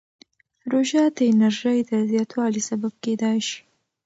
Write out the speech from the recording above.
روژه د انرژۍ د زیاتوالي سبب کېدای شي.